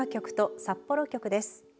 富山局と札幌局です。